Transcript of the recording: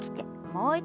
はい。